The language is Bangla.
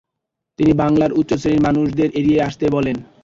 তিনি বাংলার উচ্চশ্রেণির মানুষদের এগিয়ে আসতে বলেন ।